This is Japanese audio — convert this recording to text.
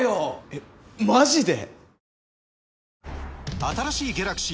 えマジで！？